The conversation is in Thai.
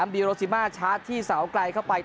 บีโรซิมาชาร์จที่เสาไกลเข้าไป